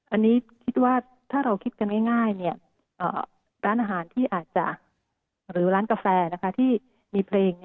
อันนี้คิดว่าถ้าเราคิดกันง่ายร้านอาหารที่อาจจะหรือร้านกาแฟที่มีเพลง